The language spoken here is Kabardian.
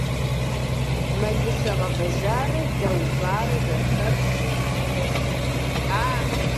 Мэлыщэ гъэвэжарэ дэ убарэ зэхэпщи фӀыуэ щыхуэ.